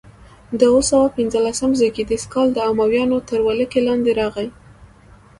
په اووه سوه پنځلسم زېږدیز کال د امویانو تر ولکې لاندې راغي.